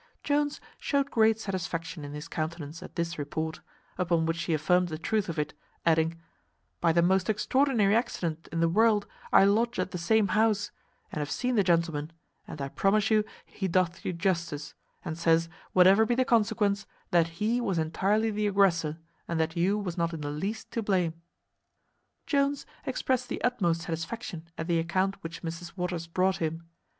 Jones shewed great satisfaction in his countenance at this report; upon which she affirmed the truth of it, adding, "By the most extraordinary accident in the world I lodge at the same house; and have seen the gentleman, and I promise you he doth you justice, and says, whatever be the consequence, that he was entirely the aggressor, and that you was not in the least to blame." Jones expressed the utmost satisfaction at the account which Mrs Waters brought him.